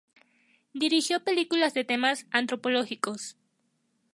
Dirigió películas de temas antropológicos.